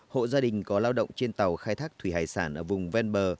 hộ gia đình có lao động trên tàu khai thác thủy hải sản ở vùng ven bờ